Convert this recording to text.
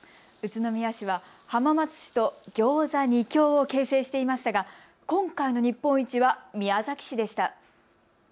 宇都宮市は浜松市とギョーザ２強を形成していましたが今回の日本一は宮崎市でした。